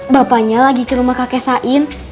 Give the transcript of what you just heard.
bapaknya lagi ke rumah kakek sain